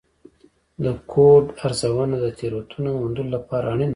د کوډ ارزونه د تېروتنو موندلو لپاره اړینه ده.